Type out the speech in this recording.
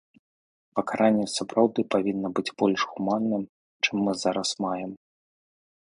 Пакаранне сапраўды павінна быць больш гуманным, чым мы зараз маем.